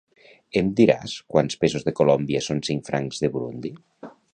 Em diràs quants pesos de Colòmbia són cinc francs de Burundi?